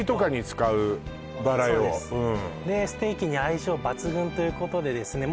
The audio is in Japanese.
そうですでステーキに相性抜群ということでですね